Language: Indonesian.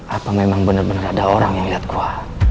apa memang bener bener ada orang yang liat gue